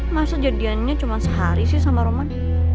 masa jadiannya cuma sehari sih sama roman